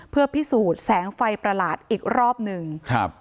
เพื่อพิสูจน์แสงไฟประหลาดอีกรอบหนึ่งครับ